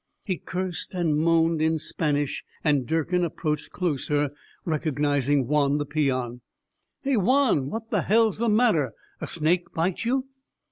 He cursed and moaned in Spanish, and Durkin, approaching closer, recognized Juan the peon. "Hey, Juan, what the hell's the matter? A snake bite you?"